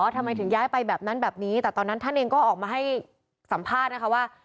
ทำไมถึงย้ายไปแบบนั้นแบบนี้แต่ตอนนั้นท่านเองก็ออกมาให้สัมภาษณ์นะคะว่า